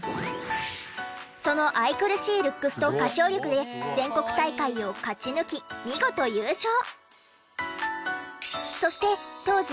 その愛くるしいルックスと歌唱力で全国大会を勝ち抜き見事優勝！